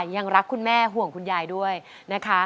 ยังรักคุณแม่ห่วงคุณยายด้วยนะคะ